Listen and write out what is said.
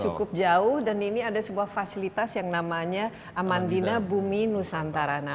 cukup jauh dan ini ada sebuah fasilitas yang namanya amandina bumi nusantarana